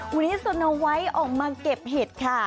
วันนี้สนเอาไว้ออกมาเก็บเห็ดค่ะ